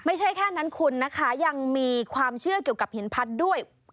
ไม่ใช่แค่นั้นคุณนะคะยังมีความเชื่อเกี่ยวกับหินพัดด้วย